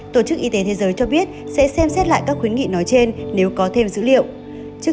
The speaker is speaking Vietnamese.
tổ chức y tế thế giới cho biết sẽ xem xét lại các khuyến nghị nói trên nếu có thêm dữ liệu